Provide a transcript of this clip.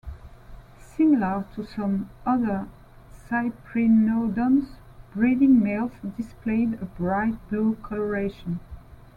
Similar to some other "Cyprinodons", breeding males displayed a bright blue coloration.